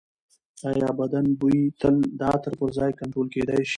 ایا بدن بوی تل د عطر پرځای کنټرول کېدی شي؟